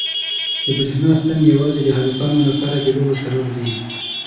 د برېښنا ستنې یوازې د هلکانو لپاره د لوبو سبب دي.